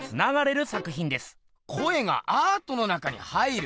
声がアートの中に入る？